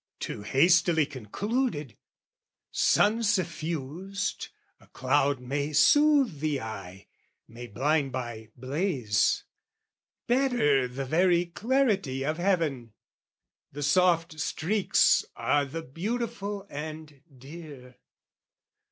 Too hastily concluded! Sun suffused, A cloud may soothe the eye made blind by blaze, Better the very clarity of heaven: The soft streaks are the beautiful and dear.